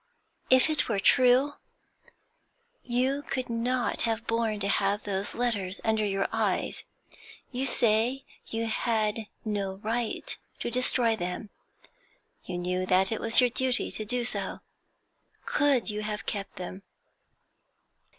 If it were true, you could not have borne to have those letters under your eyes. You say you had no right to destroy them. You knew that it was your duty to do so. Could you have kept them?'